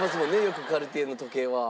よくカルティエの時計は。